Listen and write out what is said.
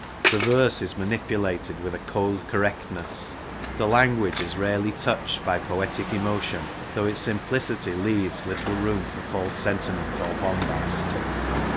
The verse is manipulated with a cold < correctness. 3 The language is rarely touched by poetic emotion, though its simplicity leaves little room for false sentiment or bombast.